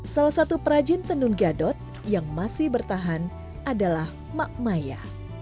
salah satu perajin tenun gadot yang masih bertahan adalah mak maya